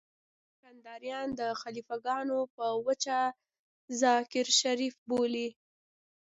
اوس يې کنداريان د خليفه ګانو په وجه ذاکر شريف بولي.